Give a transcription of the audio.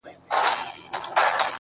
له حورو نه تېرېږم او وتاته درېږم